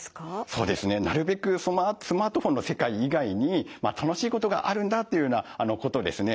そうですねなるべくスマートフォンの世界以外に楽しいことがあるんだっていうようなことをですね